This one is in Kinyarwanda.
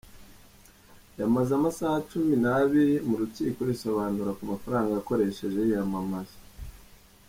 yamaze amasaha cumi nabiri mu rukiko yisobanura ku mafaranga yakoresheje yiyamamaza